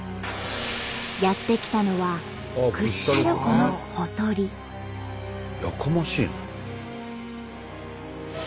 やって来たのはやかましいの？